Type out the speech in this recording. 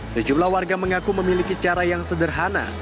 sejumlah warga mengaku memiliki cara yang sederhana